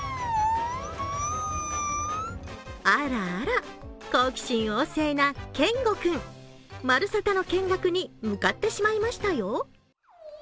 あらあら、好奇心旺盛なけんご君「まるサタ」の見学に向かってしまいましたよ。